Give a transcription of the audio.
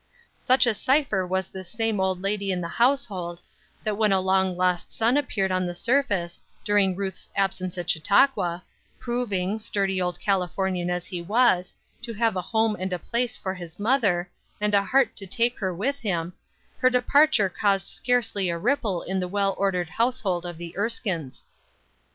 Such a cipher was this same old lady in the household, that when a long lost son appeared on the surface, during Ruth's absence at Chautauqua, proving, sturdy old Californian as he was, to have a home and place for his mother, and a heart to take her with him, her departure caused scarcely a ripple in the well ordered household of the Erskines.